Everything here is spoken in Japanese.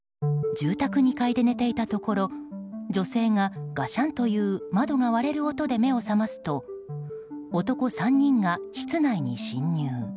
住宅２階で寝ていたところ女性が、ガシャンという窓が割れる音で目を覚ますと男３人が室内に侵入。